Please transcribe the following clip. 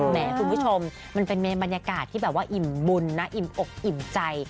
แหมคุณผู้ชมมันเป็นบรรยากาศที่แบบว่าอิ่มบุญนะอิ่มอกอิ่มใจ